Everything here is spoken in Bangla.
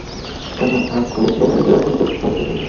তারা আক্রমণাত্মক অবস্থা থেকে রক্ষণাত্মক অবস্থায় চলে আসে।